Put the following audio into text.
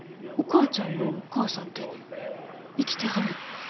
お母ちゃんのお母さんて生きてはるん？